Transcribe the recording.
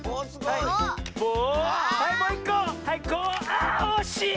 あおしい！